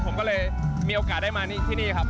ผมก็เลยมีโอกาสได้มาที่นี่ครับ